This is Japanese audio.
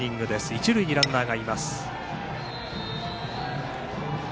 一塁にランナーがいます。